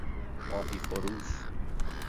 ماهیفروش